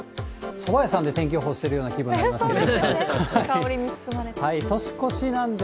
そば屋さんで天気予報してるような気分になりますけどね。